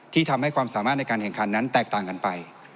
ทำให้ความสามารถในการแข่งขันนั้นแตกต่างกันไป